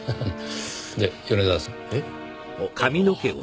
で米沢さん。え？あっああ。